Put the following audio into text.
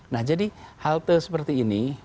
nah jadi halte seperti ini